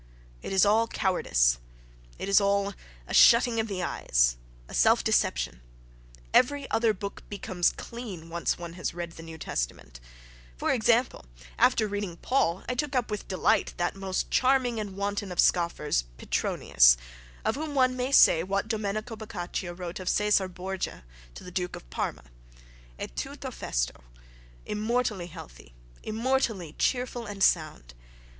It is all coward ice; it is all a shutting of the eyes, a self deception. Every other book becomes clean, once one has read the New Testament: for example, immediately after reading Paul I took up with delight that most charming and wanton of scoffers, Petronius, of whom one may say what Domenico Boccaccio wrote of Cæsar Borgia to the Duke of Parma: "è tutto festo"—immortally healthy, immortally cheerful and sound....